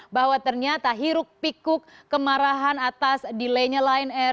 bahwa ternyata hiruk pikuk kemarahan atas delay nya lion air